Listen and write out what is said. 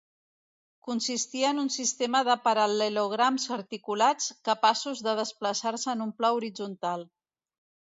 Consistia en un sistema de paral·lelograms articulats, capaços de desplaçar-se en un pla horitzontal.